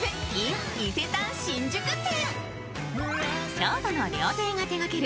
京都の料亭が手がける